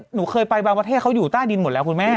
หนูเคยไปบางประเทศเขาอยู่ใต้ดินหมดแล้วคุณแม่